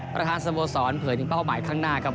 สโมสรเผยถึงเป้าหมายข้างหน้าครับ